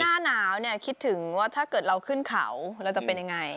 หน้าหนาวเนี่ยคิดถึงว่าถ้าเกิดเราขึ้นเขาเราจะเป็นยังไง